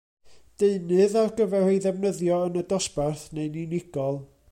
Deunydd ar gyfer ei ddefnyddio yn y dosbarth neu'n unigol.